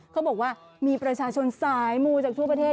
เขาบอกว่ามีประชาชนสายมูจากทั่วประเทศ